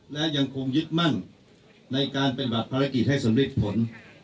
และยังคงยึดมั่นในการปฏิบัติภารกิจให้สำเร็จผล